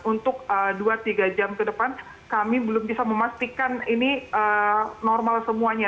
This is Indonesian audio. untuk dua tiga jam ke depan kami belum bisa memastikan ini normal semuanya